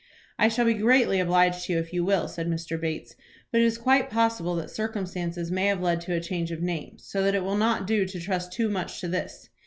"I shall be greatly obliged to you if you will," said Mr. Bates. "But it is quite possible that circumstances may have led to a change of name, so that it will not do to trust too much to this.